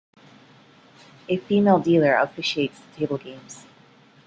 A female dealer officiates the table games.